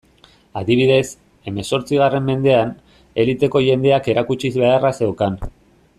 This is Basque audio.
Adibidez, hemezortzigarren mendean, eliteko jendeak erakutsi beharra zeukan.